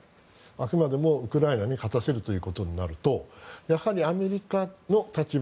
あくまでもウクライナに勝たせるということになるとやはりアメリカの立場